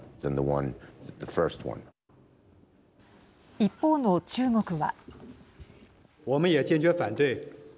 一方の中国は。